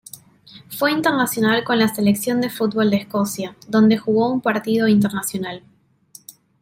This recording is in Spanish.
Fue internacional con la selección de fútbol de Escocia, donde jugó un partido internacional.